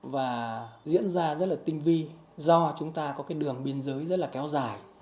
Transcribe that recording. và diễn ra rất là tinh vi do chúng ta có cái đường biên giới rất là kéo dài